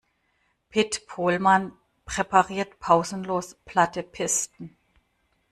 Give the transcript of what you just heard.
Pit Pohlmann präpariert pausenlos platte Pisten.